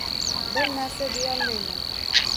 Bir narsa deyolmayman.